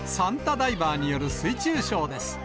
ダイバーによる水中ショーです。